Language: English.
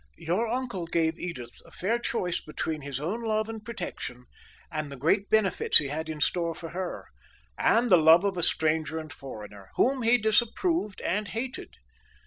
"Your uncle gave Edith a fair choice between his own love and protection, and the great benefits he had in store for her, and the love of a stranger and foreigner, whom he disapproved and hated.